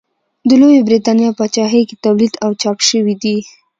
د لویې برېتانیا پاچاهۍ کې تولید او چاپ شوي دي.